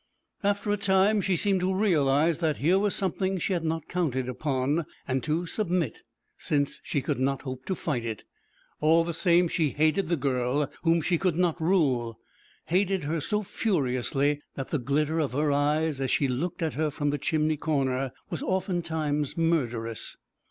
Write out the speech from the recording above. After a time she seemed to realise that here was something she had not counted upon, and to submit, since she could not hope to fight it. All the same she hated the girl whom she could not rule, hated her so furiously that the glitter of her eyes as she looked at her from the chimney corner was oftentimes murderous.